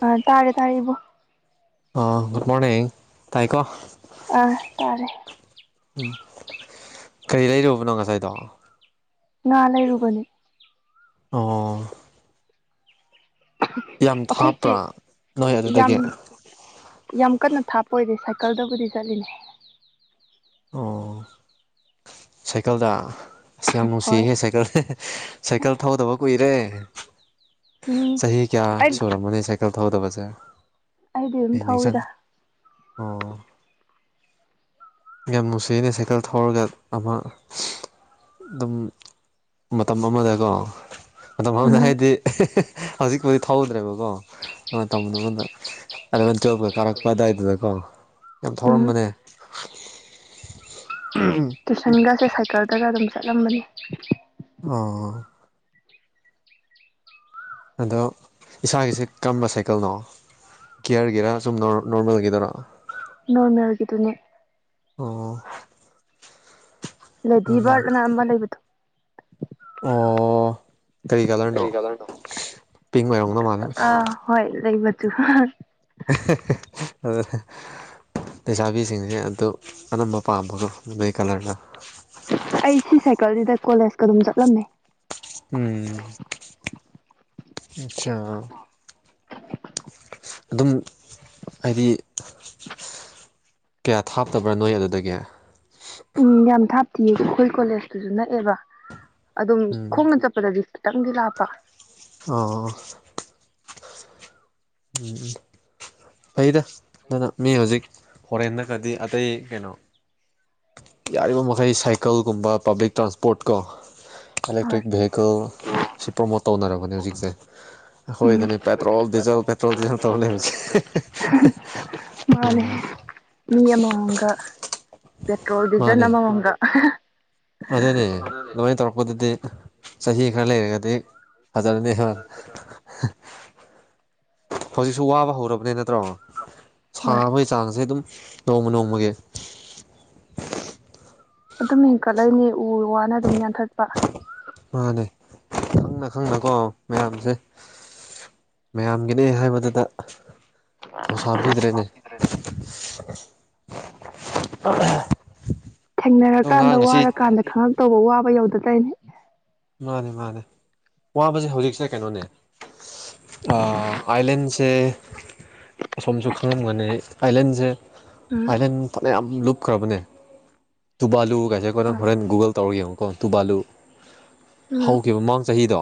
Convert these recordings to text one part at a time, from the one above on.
ꯕ ꯑ ꯇꯥꯔꯦ ꯇꯥꯔꯦꯕꯣ ꯑ ꯒꯨꯗ ꯃꯣꯔꯅꯤꯡ ꯇꯥꯏꯀꯣ ꯑꯥ ꯇꯔꯦ ꯎꯝ ꯀꯔꯤ ꯂꯩꯔꯨꯕꯅꯣ ꯉꯁꯥꯏꯗꯣ ꯉꯥ ꯂꯩꯔꯨꯕꯅꯤ ꯑꯣ ꯌꯥꯝ ꯑꯩꯈꯣꯏꯁꯦ ꯊꯥꯞꯄ꯭ꯔꯥ ꯅꯣꯏ ꯌꯥꯝ ꯑꯗꯨꯗꯒꯦ ꯌꯥꯝ ꯀꯟꯅ ꯊꯥꯞꯄ ꯑꯣꯏꯗꯦ ꯁꯥꯏꯀꯜꯗꯕꯨꯗꯤ ꯆꯠꯂꯤꯅꯦ ꯑꯣ ꯁꯥꯏꯀꯜꯗ ꯑꯁ ꯌꯥꯝ ꯍꯣꯏ ꯅꯨꯡꯁꯤꯍꯦ ꯁꯥꯏꯀꯜ ꯗꯤ ꯍꯦꯍꯦ ꯁꯥꯏꯀꯜ ꯊꯧꯗꯕ ꯀꯨꯏꯔꯦ ꯎꯝ ꯆꯍꯤ ꯀꯌꯥ ꯑꯩ ꯁꯨꯔꯝꯃꯅꯤ ꯁꯥꯏ ꯀꯜ ꯊꯧꯗꯕꯁꯦ ꯑꯩꯗꯤ ꯑꯗꯨꯝ ꯑꯩ ꯅꯤꯡꯁꯪ ꯊꯧꯋꯤꯗ ꯑꯣ ꯌꯥꯝ ꯅꯨꯡꯁꯤꯅꯦ ꯁꯥꯏꯀꯜ ꯊꯧꯔꯒ ꯑꯃ ꯗꯨꯝ ꯃꯇꯝ ꯑꯃꯗꯒꯣ ꯑꯗꯨꯕꯧꯗ ꯎꯝ ꯍꯥꯏꯗꯤ [inaudible] ꯍꯧꯖꯤꯛꯄꯨꯗꯤ ꯊꯧꯗ꯭ꯔꯦꯕꯀꯣ ꯃꯇꯝ ꯑꯃꯥꯗ ꯑꯦꯂꯥꯚꯦꯟ ꯇꯨꯌꯦꯜꯞꯀ ꯀꯥꯔꯛꯄ ꯑꯗꯨꯋꯥꯏꯗꯨꯗꯀꯣ ꯌꯥꯝ ꯎꯝ ꯊꯧꯔꯝꯕꯅꯦ ꯎꯝ ꯇꯨꯏꯁꯟꯒꯁꯦ ꯁꯥꯏꯀꯜꯗꯒ ꯑꯗꯨꯝ ꯆꯠꯂꯝꯕꯅꯤ ꯑꯣ ꯑꯗꯣ ꯏꯁꯥꯒꯤꯁꯦ ꯀꯔꯝꯕ ꯁꯥꯏꯀꯜꯅꯣ ꯒꯤꯌꯔꯒꯤꯔꯥ ꯁꯨꯝ ꯅꯣꯔ ꯅꯣꯔꯃꯦꯜꯒꯤꯗꯨꯔꯣ ꯅꯣꯔꯃꯦꯜꯒꯤ ꯗꯨꯅꯦ ꯑꯣ ꯂꯥꯗꯤ ꯎꯝ ꯕꯥꯏꯛ ꯑꯅ ꯑꯃ ꯂꯩꯕꯗꯣ ꯑꯣ ꯀꯔꯤ ꯀꯂꯥꯔꯅꯣ ꯄꯤꯡ ꯑꯣꯏꯔꯝꯗꯣ ꯃꯥꯜꯂꯦ ꯑꯥ ꯍꯣꯏ ꯂꯩ ꯃꯆꯨ [inaudible] [inaudible] ꯂꯩꯁꯥꯕꯤꯁꯤꯡꯁꯦ ꯑꯗꯨ ꯑꯅꯝꯕ ꯄꯥꯝꯕꯗꯣ ꯅꯣꯏ ꯀꯂꯥꯔꯗ ꯑꯩꯁꯤ ꯁꯥꯏꯀꯜꯁꯤꯗ ꯀꯣꯂꯦꯖ ꯇꯝ ꯆꯠꯂꯝꯃꯦ ꯎꯝ [inaudible] ꯑꯗꯨꯝ ꯍꯥꯏꯗꯤ ꯀꯌꯥ ꯊꯥꯞꯇꯕ꯭ꯔ ꯅꯣꯏ ꯑꯗꯨꯗꯒꯤ ꯎꯝ ꯌꯥꯝ ꯊꯥꯞꯇꯤꯌꯦ ꯈꯣꯏ ꯀꯣꯂꯦꯖꯇꯨꯁꯨ ꯅꯛꯑꯦꯕ ꯑꯗꯨꯝ ꯎꯝ ꯈꯣꯡꯅ ꯆꯞ ꯆꯠꯂꯗꯤ ꯈꯤꯇꯪꯗꯤ ꯂꯥꯞꯄ ꯑꯣ ꯎꯝ ꯐꯩꯗ ꯃꯤ ꯍꯣꯖꯤꯛ ꯐꯣꯔꯦꯟꯗ ꯒꯗꯤ ꯑꯇꯩ ꯀꯩꯅꯣ ꯌꯥꯔꯤꯕ ꯃꯈꯩ ꯁꯥꯏꯀꯜꯒꯨꯝꯕ ꯄꯥꯕ꯭ꯂꯤꯛ ꯇ꯭ꯔꯥꯟꯁꯄꯣꯔꯠ ꯀꯣ ꯍꯣꯏ ꯑꯦꯂꯦꯛꯇ꯭ꯔꯤꯛ ꯚꯦ ꯀꯜ ꯁꯤ ꯄ꯭ꯔꯣꯃꯣꯠ ꯇꯧꯅꯔꯕꯅꯦ ꯍꯧꯖꯤꯛꯁꯦ ꯎꯝ ꯑꯩꯈꯣꯏꯗꯅꯦ ꯄꯦꯇ꯭ꯔꯣꯜ ꯗꯤꯖꯜ ꯄꯦꯇ꯭ꯔꯣꯜ ꯗꯤꯖꯜ ꯇꯧ ꯂꯩꯕꯁꯦ [unintelligible] ꯃꯥꯅꯦ ꯎꯝ ꯃꯤ ꯑꯃꯃꯝꯒ ꯄꯦꯇ꯭ꯔꯣꯜ ꯗꯤꯖꯟ ꯃꯥꯅꯦ ꯑꯃꯃꯝꯒ ꯑꯗꯨꯅꯦ ꯑꯗꯨꯃꯥꯏꯅ ꯇꯧꯔꯛꯄꯗꯗꯤ ꯆꯍꯤ ꯈꯔ ꯂꯩꯔꯒꯗꯤ ꯐꯖꯔꯥꯅꯤꯍꯥ ꯍꯧꯖꯤꯛꯁꯨ ꯋꯥꯕ ꯍꯧꯔꯕꯅꯦ ꯅꯠꯇ꯭ꯔꯣ ꯍꯣꯏ ꯁꯥꯕꯒꯤ ꯆꯥꯡꯁꯦ ꯑꯗꯨꯝ ꯅꯣꯡꯃ ꯅꯣꯡꯃꯒꯤ ꯑꯗꯨꯝ ꯍꯦꯟꯀꯠꯂꯛꯅꯦ ꯎ ꯋꯥꯅ ꯑꯗꯨꯝ ꯌꯥꯟꯊꯠꯄ ꯃꯥꯅꯦ ꯈꯪꯅ ꯈꯪꯅꯀꯣ ꯃꯌꯥꯝꯁꯦ ꯃꯌꯥꯝꯒꯤꯅꯦ ꯍꯥꯏꯕꯗꯨꯗ ꯊ ꯁꯥꯡꯕꯤꯤꯗꯔꯦꯅꯦ ꯊꯦꯡꯅꯔꯀꯥꯟꯗ ꯋꯥꯔꯀꯥꯟꯗ ꯈꯪꯉꯛꯇꯧꯕ ꯋꯥꯕ ꯌꯧꯗ ꯇꯣꯏꯅꯦ ꯃꯥꯅꯦ ꯃꯥꯅꯦ ꯋꯥꯕꯁꯦ ꯍꯧꯖꯤꯛꯁꯦ ꯀꯩꯅꯣꯅꯦ ꯑꯥꯏꯂꯦꯟꯁ ꯁꯦ ꯑꯁꯣꯝꯁꯨ ꯈꯪꯂꯝꯒꯅꯤ ꯑꯥꯏꯂꯦꯟꯁꯦ ꯎꯝ ꯑꯥꯏꯂꯦꯟ ꯐꯅꯌꯥꯝ ꯂꯨꯞꯈ꯭ꯔꯕꯅꯦ ꯇꯨꯕꯥꯂꯨ ꯀꯥꯏꯁꯦ ꯑꯈꯣꯏꯅ ꯍꯣꯏ ꯍꯣꯔꯦꯟ ꯒꯨꯒꯜ ꯇꯧꯔꯒ ꯌꯦꯡꯉꯨꯀꯣ ꯇꯨꯕꯥꯂꯨ ꯎꯝ ꯍꯧꯈꯤꯕ ꯃꯃꯥꯡ ꯆꯍꯤꯗꯣ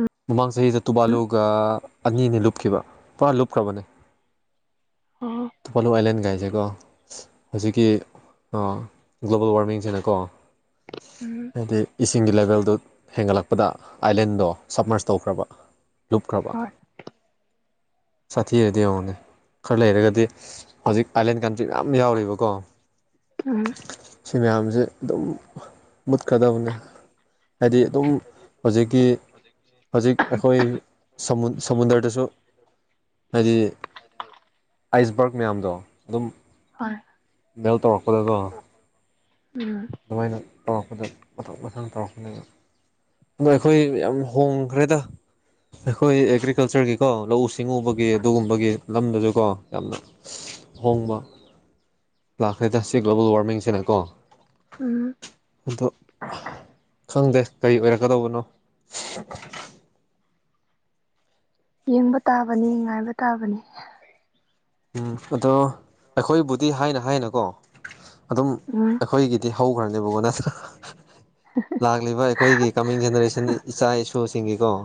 ꯎꯝ ꯃꯃꯥꯡ ꯆꯍꯤꯗ ꯇꯨꯕꯥꯂꯨꯒ ꯑꯅꯤꯅꯦ ꯂꯨꯞꯈꯤꯕ ꯄꯨꯔ ꯂꯨꯞꯈ꯭ꯔꯕꯅꯦ ꯑꯣ ꯇꯨꯕꯥꯂꯨ ꯑꯥꯏꯂꯦꯟ ꯒꯥꯏꯁꯦ ꯀꯣ ꯍꯧꯖꯤꯛꯀꯤ ꯒ꯭ꯂꯣꯕꯜ ꯋꯥꯔꯃꯤꯡꯁꯤꯅꯀꯣ ꯎꯝ ꯑꯗꯩ ꯏꯁꯤꯡꯒꯤ ꯂꯦꯕꯦꯜꯗꯨ ꯍꯦꯟꯒꯠꯂꯛꯄꯗ ꯑꯥꯏꯂꯦꯟꯗꯣ ꯁꯞꯃꯔꯁ ꯇꯧꯈ꯭ꯔꯕ ꯂꯨꯞꯈ꯭ꯔꯕ ꯍꯣꯏ ꯁꯥꯊꯤꯔꯗꯤ ꯌꯦꯡꯉꯣꯅꯦ ꯈꯔ ꯂꯩꯔꯒꯗꯤ ꯍꯧꯖꯤꯛ ꯑꯥꯏꯂꯦꯟ ꯀꯟꯇ꯭ꯔꯤ ꯃꯌꯥꯝ ꯌꯥꯎꯔꯤꯕꯀꯣ ꯎꯝ ꯁꯤ ꯃꯌꯥꯝꯁꯦ ꯑꯗꯨꯝ ꯃꯨꯠꯀꯗꯕꯅꯦ ꯍꯥꯏꯗꯤ ꯑꯗꯨꯝ ꯍꯧꯖꯤꯛꯀꯤ ꯍꯧꯖꯤꯛ ꯑꯩꯈꯣꯏ ꯁꯃꯨꯗ꯭ꯔꯗꯁꯨ ꯍꯥꯏꯗꯤ ꯑꯥꯏꯁꯕꯔꯛ ꯃꯌꯥꯝꯗꯣ ꯑꯗꯨꯝ ꯍꯣꯏ ꯕꯦꯜ ꯇꯧꯔꯛꯄꯗꯕꯣ ꯎꯝ ꯑꯗꯨꯃꯥꯏꯅ ꯇꯧꯔꯛꯄꯗ ꯃꯣꯊꯣꯛ ꯃꯊꯥꯡ ꯇꯧꯔꯛꯄꯅꯦꯅ ꯑꯩꯈꯣꯏ ꯌꯥꯝ ꯍꯣꯡꯈ꯭ꯔꯦꯗ ꯑꯩꯈꯣꯏ ꯑꯦꯒ꯭ꯔꯤꯀꯜꯆꯔꯒꯤꯀꯣ ꯂꯧꯎ ꯁꯤꯡꯎꯕꯒꯤ ꯑꯗꯨꯒꯨꯝꯕꯒꯤ ꯂꯝꯗꯁꯨꯀꯣ ꯌꯥꯝꯅ ꯑꯍꯣꯡꯕ ꯂꯥꯛꯈ꯭ꯔꯦꯗ ꯁꯤ ꯒ꯭ꯂꯣꯕꯜ ꯋꯥꯔꯃꯤꯡꯁꯤꯅꯀꯣ ꯎꯝ ꯑꯗꯣ ꯈꯪꯗꯦ ꯀꯔꯤ ꯑꯣꯏꯔꯛꯀꯗꯧꯕꯅꯣ ꯌꯦꯡꯕ ꯇꯥꯕꯅꯤ ꯉꯥꯏꯕ ꯇꯥꯕꯅꯤ ꯎꯝ ꯑꯗꯣ ꯑꯩꯈꯣꯏꯕꯨꯗꯤ ꯍꯥꯏꯅ ꯍꯥꯏꯅꯀꯣ ꯑꯗꯨꯝ ꯎꯝ ꯑꯩꯈꯣꯏꯒꯤꯗꯤ ꯍꯧꯈ꯭ꯔꯅꯦꯕꯀꯣ ꯅꯠꯇ [inaudible] ꯂꯥꯛꯂꯤꯕ ꯑꯩꯈꯣꯏꯒꯤ ꯀꯃꯤꯡ ꯖꯦꯅꯦꯔꯦꯁꯟ ꯏꯆꯥ ꯏꯁꯨꯁꯤꯡꯒꯤꯀꯣ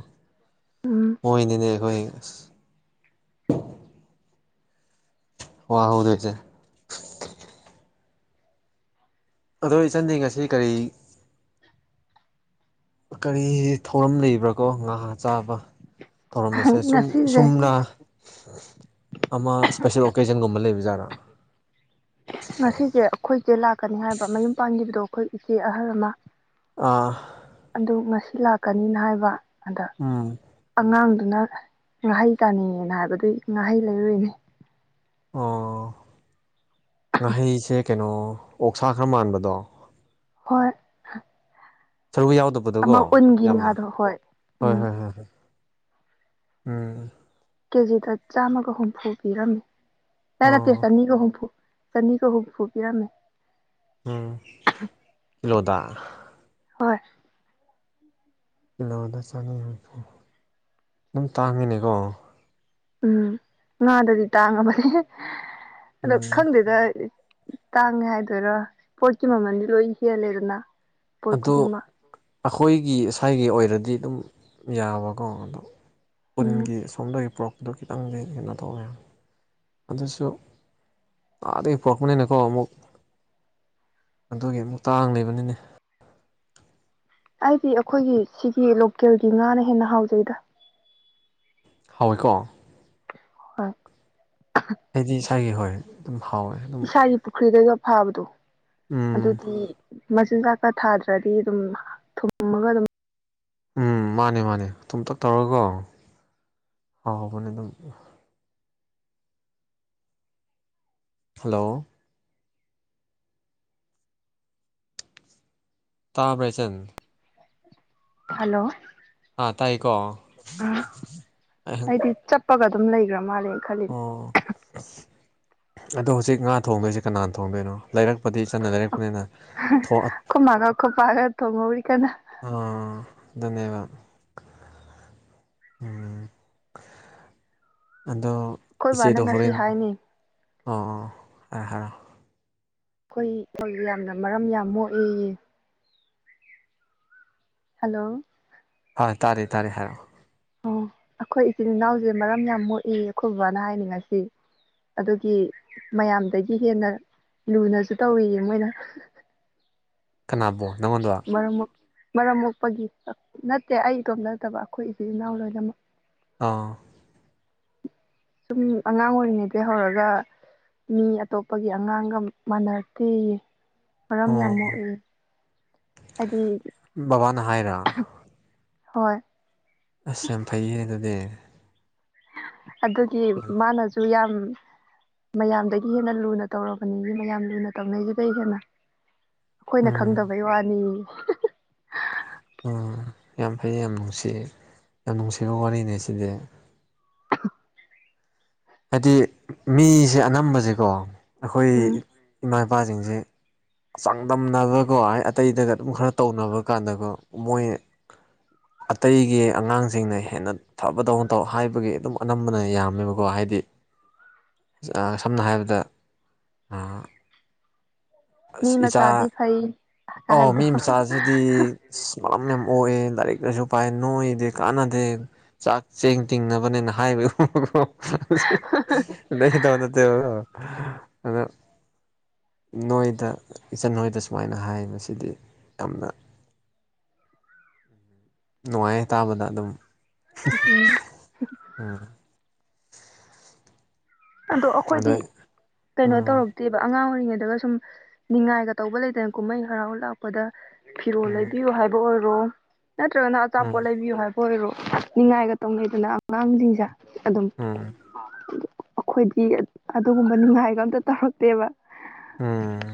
ꯎꯝ ꯑꯣꯏꯅꯤꯅꯦ ꯑꯩꯈꯣꯏ ꯑ ꯋꯥ ꯍꯧꯗꯣꯏꯁꯦ ꯑꯗꯣ ꯏꯆꯟꯗꯤ ꯉꯁꯤ ꯀꯔꯤ ꯀꯔꯤ ꯊꯧꯔꯝ ꯂꯩꯕ꯭ꯔꯥ ꯀꯣ ꯉꯥ ꯆꯥꯕ ꯊꯧꯔꯝ ꯑꯁꯦꯨꯝ ꯉꯁꯤꯁꯦ ꯑꯨꯝꯅ ꯑꯃ ꯏꯁꯄꯦꯁꯦꯜ ꯑꯣꯀꯦꯖꯟꯒꯨꯝꯕ ꯂꯩꯕꯖꯥꯠꯔꯥ ꯉꯁꯤꯁꯦ ꯑꯩꯈꯣꯏꯁꯦ ꯂꯥꯛꯀꯅꯤ ꯍꯥꯏꯕ ꯃꯌꯨꯝ ꯄꯥꯟꯈꯤꯕꯗꯣ ꯑꯩꯈꯣꯏ ꯏꯆꯦ ꯑꯍꯜ ꯑꯃ ꯑꯥ ꯑꯗꯨ ꯉꯁꯤ ꯂꯥꯛꯀꯅꯤꯅ ꯍꯥꯏꯕ ꯑꯗ ꯎꯝ ꯑꯉꯥꯡꯗꯨꯅ ꯉꯥꯍꯩ ꯇꯥꯅꯤꯡꯉꯦꯅ ꯍꯥꯏꯕꯗꯨ ꯉꯥꯍꯩ ꯂꯩꯔꯨꯅꯤ ꯑꯣ ꯉꯥꯍꯩꯁꯦ ꯀꯩꯅꯣ ꯑꯣꯛꯁꯥ ꯈꯔ ꯃꯥꯟꯕꯗꯣ ꯍꯔ ꯁꯔꯨ ꯌꯥꯎꯗꯕꯗꯀꯣ ꯑꯃ ꯎꯟꯒꯤ ꯌꯥꯝꯅ ꯉꯥꯗꯣ ꯍꯣꯏ ꯍꯣꯏ ꯎꯝ ꯍꯣꯏ ꯍꯣꯏ ꯍꯣꯏ ꯎꯝ ꯀꯦꯖꯤꯗ ꯆꯥꯝꯃꯒ ꯍꯨꯝꯐꯨ ꯄꯤꯔꯝꯃꯤ ꯌꯥ ꯅꯠꯇꯦ ꯑꯣ ꯆꯅꯤꯒ ꯍꯨꯝꯐꯨ ꯆꯅꯤꯒ ꯍꯨꯝꯐꯨ ꯄꯤꯔꯝꯃꯦ ꯎꯝ ꯀꯤꯂꯣꯗ ꯍꯣꯏ ꯀꯤꯂꯣꯗ ꯆꯅꯤ ꯍꯨꯝꯐꯨ ꯑꯗꯨꯝ ꯇꯥꯡꯉꯤꯅꯦꯀꯣ ꯎꯝ ꯉꯥꯗꯗꯤ ꯇꯥꯡꯉꯕꯅꯦ ꯑꯗꯣ ꯎꯝ ꯈꯪꯗꯦꯗ ꯇꯥꯡꯉꯦ ꯍꯥꯏꯗꯣꯏꯔ ꯄꯣꯠꯀꯤ ꯃꯃꯜꯗꯤ ꯂꯣꯏ ꯍꯦꯜꯂꯦꯗꯅ ꯄꯣꯠ ꯑꯗꯨ ꯈꯨꯗꯤꯡꯃꯛ ꯑꯩꯈꯣꯏꯒꯤ ꯁ꯭ꯋꯥꯥꯏꯒꯤ ꯑꯣꯏꯔꯗꯤ ꯑꯗꯨꯝ ꯌꯥꯕꯀꯣ ꯑꯗꯣ ꯎꯝ ꯎꯟꯒꯤ ꯁꯣꯝꯗꯒꯤ ꯄꯨꯔꯛꯄꯗꯨ ꯈꯤꯇꯪꯗꯤ ꯀꯩꯅꯣ ꯇꯧꯋꯦ ꯑꯗꯨꯁꯨ ꯇꯥꯗꯒꯤ ꯄꯣꯔꯛꯄꯅꯤꯅꯀꯣ ꯑꯃꯨꯛ ꯑꯗꯨꯒꯤ ꯑꯃꯨꯛ ꯇꯥꯡ ꯂꯩꯕꯅꯤꯅꯦ ꯑꯩꯗꯤ ꯑꯩꯈꯣꯏꯒꯤ ꯁꯤꯒꯤ ꯂꯣꯀꯦꯜꯒꯤ ꯉꯥꯅ ꯍꯦꯟꯅ ꯍꯥꯎꯖꯩꯗ꯭ꯔꯥ ꯍꯥꯎꯋꯦꯀꯣ ꯍ ꯍꯥꯏꯗꯤ ꯏꯁꯥꯒꯤ ꯍꯣꯏ ꯑꯗꯨꯝ ꯍꯥꯎꯋꯦ ꯑꯗꯨꯝ ꯑꯩꯒꯤ ꯄꯨꯈ꯭ꯔꯤꯗꯩꯒ ꯐꯥꯕꯗꯣ ꯎꯝ ꯑꯗꯨꯗꯤ ꯃꯆꯤꯟꯖꯥꯛꯀ ꯊꯥꯗ꯭ꯔꯗꯤ ꯑꯗꯨꯝ ꯊꯨꯝꯃꯒ ꯑꯗꯨꯝ ꯎꯝ ꯃꯥꯅꯦ ꯃꯥꯅꯦ ꯇꯨꯝꯝꯇ ꯇꯧꯔꯀꯣ ꯍꯥꯎ ꯍꯥꯎꯕꯅꯤ ꯑꯗꯨꯝ ꯍꯜꯂꯣ ꯇꯥꯕ꯭ꯔꯥ ꯏꯆꯟ ꯍꯂꯣ ꯑꯥ ꯇꯥꯏꯀꯣ ꯑꯩꯍꯪ ꯑꯗꯤ ꯆ ꯀꯞꯄꯒ ꯑꯗꯨꯝ ꯂꯩ꯭ꯔ ꯃꯥꯜꯂꯦ ꯈꯜꯂꯤ ꯑꯣ ꯑꯗꯣ ꯍꯧꯖꯤꯛ ꯉꯥ ꯊꯣꯡꯗꯣꯏꯁꯦ ꯀꯅꯥꯅ ꯊꯣꯡꯗꯣꯏꯅꯣ ꯂꯩꯔꯛꯄꯗꯤ ꯆꯠꯅ ꯂꯩꯔꯛꯄꯅꯤꯅ ꯊꯣꯛ ꯈꯣꯏ ꯃꯥꯒ ꯈꯣꯏ ꯄꯥꯒ ꯇꯣꯡꯉ ꯍꯧꯔ ꯀꯗ ꯑ ꯑꯗꯨꯅꯦꯕ ꯑꯗꯣ ꯑꯩꯈꯣꯏ ꯕꯥꯅ ꯏꯆꯦꯗ ꯉꯁꯤ ꯍꯣꯔꯦꯟ ꯍꯥꯏꯅꯤ ꯑꯣ ꯑꯥ ꯍꯥ ꯑꯩꯈꯣꯏ ꯍꯧ ꯌꯥꯝꯅ ꯃꯔꯝ ꯌꯥꯝ ꯃꯣꯛꯏꯌꯦ ꯍꯜꯂꯣ ꯍꯣꯏ ꯇꯥꯔꯦ ꯇꯥꯔꯦ ꯍꯥꯏꯔꯛꯑꯣ ꯑꯣ ꯑꯩꯈꯣꯏ ꯏꯆꯤꯟ ꯏꯅꯥꯎꯁꯦ ꯃꯔꯝ ꯌꯥꯝ ꯃꯣꯛꯏ ꯑꯩꯈꯣꯏ ꯕꯕꯥꯅ ꯍꯥꯏꯅꯤꯡꯉꯁꯤ ꯑꯗꯨꯒꯤ ꯃꯌꯥꯝꯗꯒꯤ ꯍꯦꯟꯅ ꯂꯨꯅꯁꯨ ꯇꯧꯏꯌꯦ ꯃꯣꯏꯅ ꯀꯅꯥꯕꯨ ꯅꯪꯉꯣꯟꯗ ꯃꯔꯝ ꯃꯔꯝ ꯃꯣꯛꯄꯒꯤ ꯅꯠꯇꯦ ꯑꯩ ꯏꯇꯣꯝ ꯅꯠꯇꯕ ꯑꯩꯈꯣꯏ ꯏꯆ ꯏꯅꯥꯎ ꯂꯣꯏꯅꯃꯛ ꯑꯥ ꯁꯨꯝ ꯑꯉꯥꯡ ꯑꯣꯏꯔꯤꯉꯩꯗꯒꯤ ꯍꯧꯔꯒ ꯃꯤ ꯑꯇꯣꯞꯄꯒꯤ ꯑꯉꯥꯡꯒ ꯃꯥꯟꯅꯔꯛꯇꯦ ꯃꯔꯝ ꯑꯣ ꯌꯥꯝ ꯃꯣꯛꯏ ꯍꯥꯏꯗꯤ ꯕꯕꯥꯅ ꯍꯥꯏꯔꯣ ꯍꯣꯏ ꯑꯁ ꯌꯥꯝ ꯐꯩ ꯍꯥꯏ ꯑꯗꯨꯗꯤ ꯑꯗꯨꯒꯤ ꯃꯥꯅꯁꯨ ꯌꯥꯝ ꯃꯌꯥꯝꯗꯒꯤ ꯍꯦꯟꯅ ꯂꯨꯅ ꯇꯧꯔꯕꯅꯤ ꯃꯌꯥꯝ ꯂꯨꯅ ꯇꯧꯅꯩꯁꯤꯗꯒꯤ ꯍꯦꯟꯅ ꯑꯩꯈꯣꯏꯅ ꯎꯝ ꯈꯪꯗꯕꯩ ꯋꯥꯅꯤ ꯑꯥ ꯌꯥꯝ ꯐꯩ ꯌꯥꯝ ꯅꯨꯡꯁꯤ ꯌꯥꯝ ꯅꯨꯡꯁꯤꯕ ꯋꯥꯔꯤꯅꯦ ꯁꯤꯗꯤ ꯍꯥꯏꯗꯤ ꯃꯤꯁꯦ ꯑꯅꯝꯕꯁꯦꯀꯣ ꯑꯩꯈꯣꯏ ꯎꯝ ꯏꯃꯥ ꯏꯄꯥꯁꯤꯡꯁꯦ ꯆꯥꯡꯗꯝꯅꯕꯀꯣ ꯍꯥꯏ ꯑꯇꯩꯗꯒ ꯑꯗꯨꯝ ꯈꯔ ꯇꯧꯅꯕ ꯀꯥꯟꯗꯀꯣ ꯃꯣꯏ ꯑꯇꯩꯒꯤ ꯑꯉꯥꯡꯁꯤꯡꯅ ꯍꯦꯟꯅ ꯊꯕꯗꯧꯅ ꯇꯧ ꯍꯥꯏꯕꯒꯤ ꯑꯗꯨꯝ ꯑꯅꯝꯕꯅ ꯌꯥꯝꯃꯦꯕꯀꯣ ꯍꯥꯏꯗꯤ ꯍꯥꯏꯗꯤ ꯁꯝꯅ ꯍꯥꯏꯔꯕꯗ ꯑꯥ ꯃꯤ ꯃꯆꯥꯥꯗ ꯐꯥꯏ ꯑꯣ ꯃꯤ ꯃꯆꯥꯁꯤꯗꯤ ꯏꯁ ꯃꯔꯝ ꯌꯥꯝ ꯑꯣꯛꯑꯦ ꯂꯥꯏꯔꯤꯛ ꯂꯥꯏꯁꯨ ꯄꯥꯏ ꯅꯣꯏꯗꯤ ꯀꯥꯟꯅꯗꯦ ꯆꯥꯛ ꯆꯦꯡ ꯇꯤꯡꯅꯕꯅꯦꯅ ꯍꯥꯏꯕꯗꯨ [unintelligible] ꯅꯣꯏꯗ ꯏꯆꯟ ꯅꯣꯏꯗ ꯁꯨꯃꯥꯏꯅ ꯍꯥꯏ ꯃꯁꯤꯗꯤ ꯌꯥꯝꯅ ꯅꯨꯡꯉꯥꯏ ꯇꯥꯕꯗ ꯑꯗꯨꯝ ꯎꯝ ꯑꯗꯣ ꯑꯩꯈꯣꯏꯗꯤ ꯀꯩꯅꯣ ꯎꯝ ꯇꯧꯔꯕ ꯅꯠꯇꯦꯕ ꯑꯉꯥꯡ ꯑꯣꯏꯔꯤꯉꯩꯗꯒ ꯁꯨꯝ ꯉꯥꯏꯒ ꯇꯧꯕ ꯂꯩꯇꯅ ꯀꯨꯝꯍꯩ ꯍꯔꯥꯎ ꯂꯥꯛꯄꯗ ꯐꯤꯔꯣꯜ ꯎꯝ ꯂꯩꯕꯤꯌꯨ ꯍꯥꯏꯕ ꯑꯣꯏꯔꯣ ꯅꯠꯇ꯭ꯔꯒꯅ ꯎꯝ ꯑꯆꯥꯄꯣꯠ ꯂꯩꯕꯤꯌꯨ ꯍꯥꯏꯕ ꯑꯣꯏꯔꯣ ꯅꯤꯡꯉꯥꯏꯒ ꯇꯧꯅꯩꯗꯅ ꯑꯉꯥꯡꯁꯤꯡꯁꯦ ꯑꯗꯨꯝ ꯎꯝ ꯑꯩꯈꯣꯏꯗꯤ ꯑꯗꯨꯒꯨꯝꯕ ꯉꯥꯏꯕ ꯑꯝꯇ ꯇꯧꯔꯛꯇꯦꯕ ꯎꯝ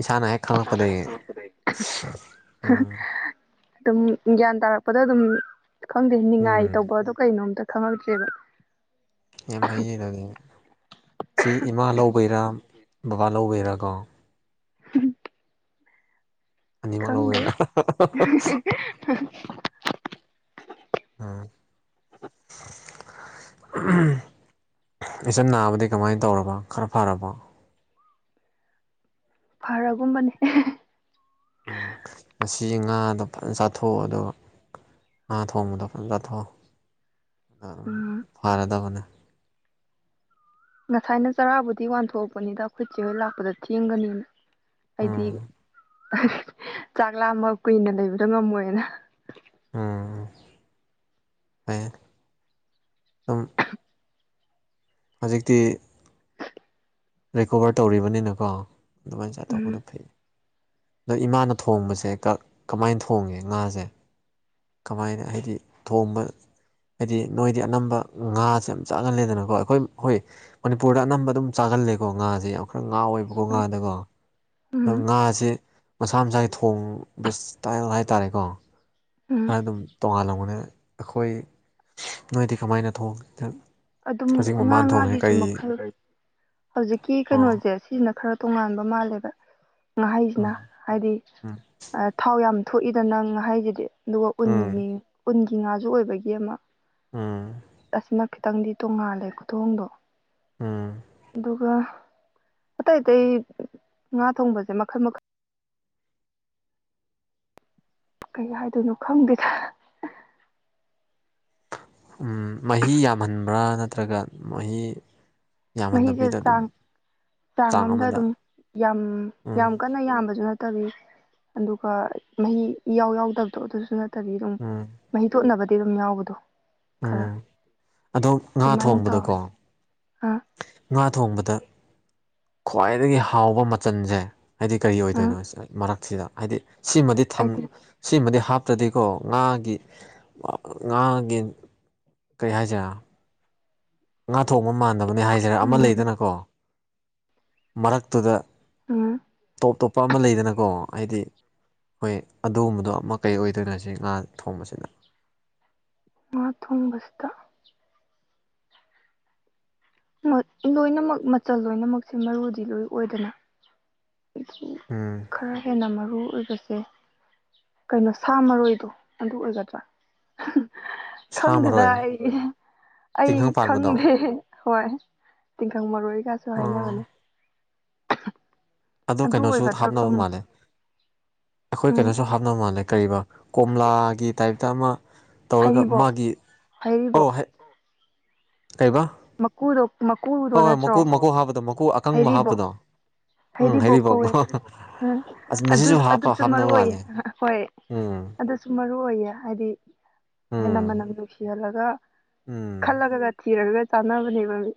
ꯏꯁꯥꯅ ꯍꯦꯛ ꯈꯪꯂꯛꯄꯗꯒꯤꯗꯒꯤ ꯎꯝ ꯑꯗꯨꯝ ꯒ꯭ꯌꯥꯟ ꯇꯥꯔꯛꯄꯗ ꯑꯗꯨꯝ ꯈꯪꯗꯦ ꯅꯤꯡꯉꯥꯏ ꯎꯝ ꯇꯧꯕꯗꯣ ꯀꯩꯅꯣꯝꯇ ꯈꯪꯉꯛꯇ꯭ꯔꯦꯕ ꯌꯥꯝ ꯍꯩꯌꯦ ꯑꯗꯨꯅꯦ ꯁꯤ ꯏꯃꯥ ꯂꯧꯕꯩꯔꯥ ꯕꯕꯥ ꯂꯧꯕꯩꯔꯥ ꯀꯣ ꯎꯝ ꯑꯅꯤꯃꯛ ꯂꯧꯋꯦꯅ [unintelligible] ꯎꯝ ꯏꯆꯝ ꯅꯥꯕꯗꯤ ꯀꯃꯥꯏꯅ ꯇꯧꯔꯕ ꯈꯔ ꯐꯔꯕ ꯐꯔꯒꯨꯝꯕꯅꯦ ꯎꯝ ꯃꯁꯤ ꯉꯥꯗꯣ ꯐꯖꯅ ꯆꯥꯊꯣꯛꯑꯣ ꯑꯗꯨꯒ ꯉꯥ ꯊꯣꯡꯕꯗꯣ ꯐꯖ ꯆꯠꯊꯣꯛ ꯑ ꯑꯗꯨꯝ ꯎꯝ ꯐꯔꯗꯕꯅꯦ ꯉꯁꯥꯏꯅ ꯆꯔꯥꯕꯨꯗꯤ ꯋꯥꯟꯊꯣꯛꯄꯅꯤꯗ ꯈꯨꯠꯁꯦ ꯍꯣꯏ ꯂꯥꯛꯄꯗ ꯊꯦꯡꯒꯅꯤꯅ ꯍꯥꯏꯗꯤ ꯎꯝ ꯆꯥꯛꯂꯥ ꯑꯃ ꯀꯨꯏꯅ ꯂꯩꯕꯗꯣ ꯉꯝꯃꯣꯏꯅ ꯎꯝ ꯐꯩꯌꯦ ꯑꯗꯨꯝ ꯍꯧꯖꯤꯛꯇꯤ ꯔꯤꯀꯣꯕꯔ ꯇꯧꯔꯤꯕꯅꯤꯅꯀꯣ ꯑꯗꯨꯃꯥꯏꯅ ꯆꯥꯇꯧꯕꯗꯣ ꯎꯝ ꯐꯩ ꯑꯗ ꯏꯃꯥꯅ ꯊꯣꯡꯕꯁꯦ ꯀꯃꯥꯏꯅ ꯊꯣꯡꯉꯦ ꯉꯥꯁꯦ ꯀꯃꯥꯏꯅ ꯍꯥꯏꯗꯤ ꯊꯣꯡꯕ ꯍꯥꯏꯗꯤ ꯅꯣꯏꯗꯤ ꯑꯅꯝꯕ ꯉꯥꯁꯦ ꯌꯥꯝ ꯆꯥꯒꯜꯂꯦꯗꯅꯀꯣ ꯑꯩꯈꯣꯏ ꯍꯣꯏ ꯃꯅꯤꯄꯨꯔꯗ ꯑꯅꯝꯕ ꯑꯗꯨꯝ ꯆꯥꯒꯜꯂꯦꯀꯣ ꯉꯥꯁꯦ ꯌꯥꯝ ꯈꯔ ꯉꯥꯎꯋꯦꯕꯀꯣ ꯉꯥꯗꯀꯣ ꯑꯗꯣ ꯎꯝ ꯉꯥꯁꯦ ꯃꯁꯥ ꯃꯁꯥꯒꯤ ꯊꯣꯡꯕ ꯏꯁꯇꯥꯏꯜ ꯍꯥꯏꯇꯥꯔꯦꯀꯣ ꯎꯝ ꯈꯔ ꯑꯗꯨꯝ ꯇꯣꯉꯥꯟꯂꯝꯧꯕꯅꯦ ꯑꯩꯈꯣꯏ ꯅꯣꯏꯗꯤ ꯀꯃꯥꯏꯅ ꯊꯣꯡ ꯑꯗꯨꯝ ꯍꯧꯖꯤꯛ ꯉꯥ ꯃꯃꯥꯟ ꯊꯣꯡꯁꯦ ꯉꯥꯒꯤꯁꯨ ꯀꯩ ꯃꯈꯜ ꯍꯧꯖꯤꯛꯀꯤ ꯑꯥ ꯀꯩꯅꯣꯁꯦ ꯁꯤꯁꯤꯅ ꯈꯔ ꯇꯣꯉꯥꯟꯕ ꯃꯥꯜꯂꯦꯕ ꯉꯥꯍꯩꯁꯤꯅ ꯎꯝ ꯍꯥꯏꯗꯤ ꯎꯝ ꯊꯥꯎ ꯌꯥꯝ ꯊꯣꯛꯏꯗꯅꯪ ꯉꯥꯍꯩꯁꯤꯗꯤ ꯑꯗꯨꯒ ꯎꯝ ꯎꯟꯒꯤ ꯎꯟꯒꯤ ꯉꯥꯁꯨ ꯑꯣꯏꯕꯒꯤ ꯑꯃ ꯎꯝ ꯑꯁꯤꯅ ꯈꯤꯇꯪꯗꯤ ꯇꯣꯡꯉꯥꯜꯂꯦ ꯈꯨꯊꯣꯡꯗꯣ ꯎꯝ ꯑꯗꯨꯒ ꯑꯇꯩ ꯑꯇꯩ ꯉꯥ ꯊꯣꯡꯕꯁꯦ ꯃꯈꯜ ꯃꯈꯜ ꯀꯩ ꯍꯥꯏꯗꯣꯏꯅꯣ ꯈꯪꯗꯦꯗ ꯃꯍꯤ ꯌꯥꯝꯍꯟꯕ꯭ꯔꯥ ꯅꯠꯇ꯭ꯔꯒ ꯃꯍꯤ ꯃꯍꯤꯁꯦ ꯌꯥꯝꯍꯟꯗꯕꯤꯗ ꯑꯗꯨꯝ ꯆꯥꯡ ꯆꯥꯡ ꯑꯝꯗ ꯑꯗꯨꯝ ꯌꯥꯝ ꯎꯝ ꯌꯥꯝ ꯀꯟꯅ ꯌꯥꯝꯕꯁꯨꯅ ꯅꯠꯇꯕꯤ ꯑꯗꯨꯒ ꯃꯍꯤ ꯏꯌꯥꯎ ꯌꯥꯎꯗꯕꯗꯣ ꯑꯗꯨꯁꯨ ꯅꯠꯇꯕꯤ ꯑꯗꯨꯝ ꯎꯝ ꯃꯍꯤ ꯇꯣꯠꯅꯕꯗꯤ ꯑꯗꯨꯝ ꯌꯥꯎꯕꯗꯣ ꯈꯔ ꯎꯝ ꯑꯗꯣ ꯉꯥ ꯑꯗꯨꯃꯥꯏꯅ ꯇꯧꯋꯤ ꯊꯣꯡꯕꯗꯀꯣ ꯑꯥ ꯉꯥ ꯊꯣꯡꯕꯗ ꯈ꯭ꯋꯥꯏꯗꯒꯤ ꯍꯥꯎꯕ ꯃꯆꯜꯁꯦ ꯍꯥꯏꯗꯤ ꯀꯔꯤ ꯑꯥ ꯑꯣꯏꯗꯣꯏꯅꯣ ꯃꯔꯛꯁꯤꯗ ꯍꯥꯏꯗꯤ ꯁꯤꯃꯗꯤ ꯊꯝ ꯑꯩꯗꯤ ꯁꯤꯃꯗꯤ ꯍꯥꯞꯇ꯭ꯔꯗꯤꯀꯣ ꯉꯥꯒꯤ ꯉꯥꯒꯤ ꯀꯩ ꯍꯥꯏꯖꯦ ꯉꯥꯊꯣꯡꯕ ꯃꯥꯟꯗꯕꯅꯦ ꯍꯥꯏꯖꯦꯔ ꯑꯃ ꯎꯝ ꯂꯩꯗꯅꯀꯣ ꯃꯔꯛꯇꯨꯗ ꯎꯝ ꯇꯣꯞ ꯇꯣꯞꯄ ꯑꯃ ꯂꯩꯗꯅꯀꯣ ꯍꯥꯏꯗꯤ ꯍꯣꯏ ꯑꯗꯨꯒꯨꯝꯕꯗꯣ ꯑꯃ ꯀꯩ ꯑꯣꯏꯗꯣꯏꯅꯣ ꯁꯤ ꯉꯥ ꯊꯣꯡꯕꯁꯤꯅ ꯉꯥ ꯊꯣꯡꯕꯁꯤꯗ ꯂꯣꯏꯅꯃꯛ ꯃꯆꯜ ꯂꯣꯏꯅꯃꯛꯁꯦ ꯃꯔꯨꯗꯤ ꯂꯣꯏ ꯑꯣꯏꯗꯅ ꯎꯝ ꯈꯔ ꯍꯦꯟꯅ ꯃꯔꯨ ꯑꯣꯏꯕꯁꯦ ꯀꯩꯅꯣ ꯁꯥ ꯃꯔꯣꯏꯗꯣ ꯑꯗꯨ ꯑꯣꯏꯒꯗ꯭ꯔꯥ ꯁꯥ ꯈꯪꯗꯦꯗ ꯃꯔꯣꯏ ꯑꯩ ꯑꯩ ꯇꯤꯡꯈꯪ ꯄꯥꯟꯕꯗꯣ ꯈꯪꯗꯦ ꯍꯣꯏ ꯇꯤꯡꯈꯪ ꯃꯔꯣꯏꯒꯁꯨ ꯑꯥ ꯍꯥꯏꯅꯕꯅꯦ ꯑꯗꯣ ꯑꯗꯨ ꯀꯩꯅꯣꯁꯨ ꯑꯣꯏꯒꯗ꯭ꯔꯥ ꯍꯥꯞꯅꯕ ꯈꯪꯗꯦ ꯃꯥꯜꯂꯦ ꯑꯩꯈꯣꯏ ꯎꯝ ꯀꯩꯅꯣꯁꯨ ꯍꯥꯞꯅꯕ ꯃꯥꯜꯂꯦ ꯀꯔꯤꯕ ꯀꯣꯝꯂꯥꯒꯤ ꯇꯥꯏꯞꯇ ꯑꯃ ꯇꯧꯔꯒ ꯍꯩꯔꯤꯕꯣꯞ ꯃꯥꯒꯤ ꯍꯩꯔꯤꯕꯣꯞ ꯑꯣ ꯍ ꯀꯩꯔꯤꯕ ꯃꯀꯨꯗꯣ ꯃꯀꯨꯗꯣ ꯅꯠꯇ꯭ꯔꯣ ꯍꯥꯞꯄꯗꯣ ꯃꯀꯨ ꯑꯀꯪꯕ ꯍꯩꯔꯤꯕꯣꯞ ꯍꯥꯞꯄꯗꯣ ꯎꯝ ꯍꯩꯔꯤꯕꯣꯣꯛ ꯀꯧꯋꯦ ꯍꯩꯔꯤꯕꯣꯞꯀꯣ ꯎꯝ ꯑꯁ ꯑꯗꯨ ꯃꯁꯤꯁꯨ ꯍꯥꯞꯄ ꯑꯗꯨꯁꯨ ꯃꯔꯨ ꯍꯥꯞꯅꯕ ꯑꯣꯏ ꯃꯥꯜꯂꯦ ꯍꯣꯏ ꯎꯝ ꯑꯗꯨ ꯃꯔꯨ ꯑꯣꯏꯅ ꯍꯥꯏꯗꯤ ꯍꯦꯟꯅ ꯎꯝ ꯃꯅꯝ ꯅꯨꯡꯁꯤꯍꯜꯂꯒ ꯎꯝ ꯈꯜꯂꯛ__ ꯊꯤꯔꯥꯒ ꯆꯥꯅꯕꯅꯦꯕꯥ ꯃꯤ